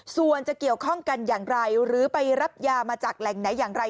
ส่วนจะเกี่ยวข้องกันอย่างไรหรือไปรับยามาจากแหล่งไหนอย่างไร